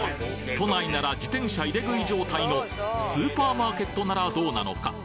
都内なら自転車入れ食い状態のスーパーマーケットならどうなのか？